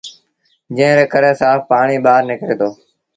جݩهݩ ري ڪري سآڦ پآڻيٚ ٻآهر نڪري دو۔